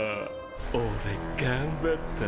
俺頑張ったのに。